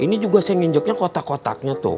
ini juga saya nginjuknya kotak kotaknya tuh